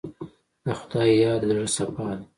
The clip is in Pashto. د خدای یاد د زړه صفا ده.